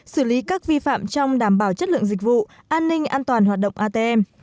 xử lý các vi phạm trong đảm bảo chất lượng dịch vụ an ninh an toàn hoạt động atm